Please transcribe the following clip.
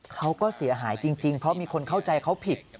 เขาก็เสียหายจริงเพราะมีคนเข้าใจเขาผิด